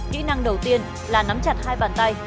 kỹ năng đầu tiên là nắm chặt hai bàn tay